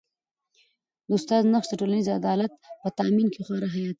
د استاد نقش د ټولنیز عدالت په تامین کي خورا حیاتي دی.